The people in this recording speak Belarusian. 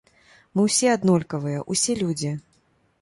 Мы ўсе аднолькавыя, усе людзі.